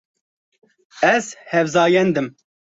Ez hevzayend im.